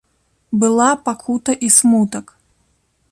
Была пакута і смутак.